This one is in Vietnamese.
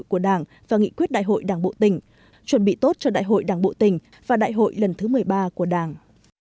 đại hội của đảng và nghị quyết đại hội đảng bộ tình chuẩn bị tốt cho đại hội đảng bộ tình và đại hội lần thứ một mươi ba của đảng